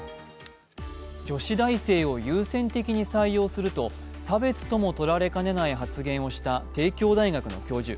女子大生を優先的に採用すると差別ともとられかねない発言をした帝京大学の教授。